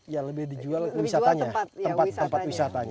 ya lebih dijual tempat wisatanya